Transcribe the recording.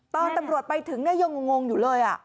ตอนตำรวจไปถึงยังงงอยู่เลย